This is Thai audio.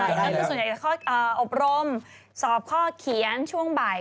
แล้วส่วนใหญ่คือข้ออบรมสอบข้อเขียนช่วงบ่าย